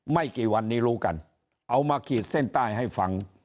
ไม่กี่วันนี้รู้กันเอามาขีดเส้นใต้ให้ฟัง